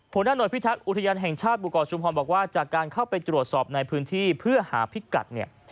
หัวหน้าหน่วยพิทักษ์อุทยานแห่งชาติบุกรชุมพรบอกว่าจากการเข้าไปตรวจสอบในพื้นที่เพื่อหาพิกัดเนี่ย